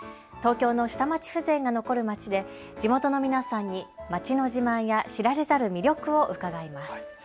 東京の下町風情が残る街で地元の皆さんに街の自慢や知られざる魅力を伺います。